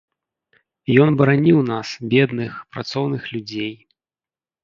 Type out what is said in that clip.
Ён бараніў нас, бедных, працоўных людзей.